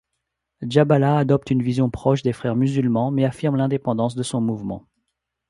Djaballah adopte une vision proche des frères musulmans mais affirme l'indépendance de son mouvement.